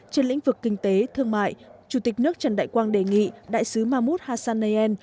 trên lĩnh vực kinh tế thương mại chủ tịch nước trần đại quang đề nghị đại sứ mahmoud hassanein